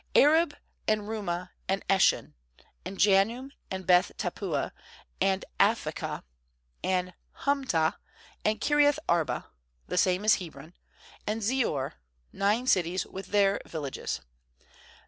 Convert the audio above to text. ^Arab, and Rumah, and Eshan; Mand Janum, and Beth tappuah, and Aphekah; wand Humtah, and Kiriath arba — the same is Hebron, and Zior; nine cities with their villages.